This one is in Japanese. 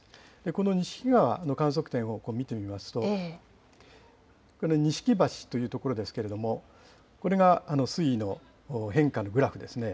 この錦川の観測点を見てみますと、これ、錦橋という所ですけれども、これが水位の変化のグラフですね。